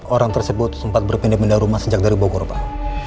orang tersebut sempat berpindah pindah rumah sejak dari bogor pak